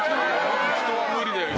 人は無理だよ人は。